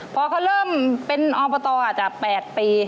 พอเขาเริ่มเป็นอบตอาจจะ๘ปี